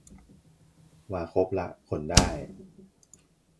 มาครบละ ขนได้